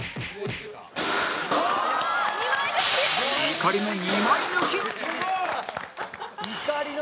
「怒りの２枚抜き」